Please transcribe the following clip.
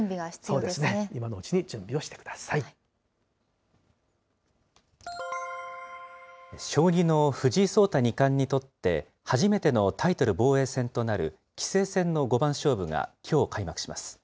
今のうちに準備をしてくださ将棋の藤井聡太二冠にとって初めてのタイトル防衛戦となる棋聖戦の五番勝負がきょう開幕します。